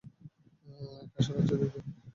খাসা লাগছে দেখতে!